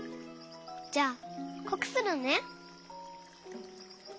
じゃあこくするね！